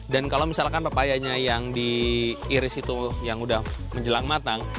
dan kalau misalkan pepayanya yang diiris itu yang udah menjelang matang